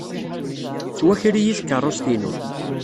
Tettwaker-iyi tkeṛṛust-inu.